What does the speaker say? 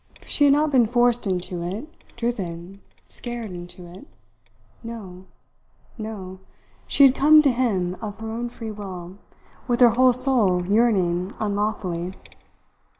For she had not been forced into it, driven, scared into it. No, no she had come to him of her own free will, with her whole soul yearning unlawfully.